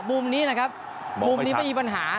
มุมนี้นะครับมุมนี้ไม่มีปัญหา